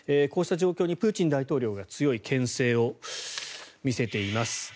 こうした状況にプーチン大統領が強いけん制を見せています。